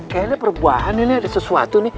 kayaknya perbuahan ini ada sesuatu nih